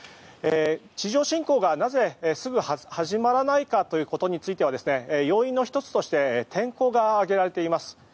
地上侵攻がなぜすぐ始まらないかについては要因の１つとして天候が挙げられています。